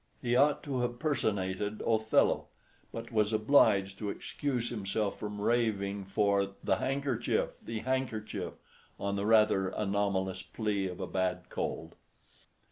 He ought to have personated Othello, but was obliged to excuse himself from raving for "the handkerchief! the handkerchief!" on the rather anomalous plea of a bad cold.